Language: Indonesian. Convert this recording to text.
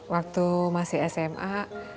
waktu masih sma